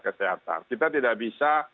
kesehatan kita tidak bisa